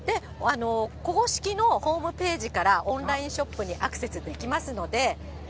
公式のホームページからオンラインショップにアクセスできますので。